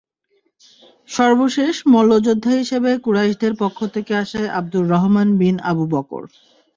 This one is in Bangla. সর্বশেষ মল্লযোদ্ধা হিসেবে কুরাইশদের পক্ষ থেকে আসে আব্দুর রহমান বিন আবু বকর।